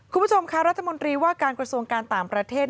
คุณผู้ชมค่ะรัฐมนตรีว่าการกระทรวงการต่างประเทศ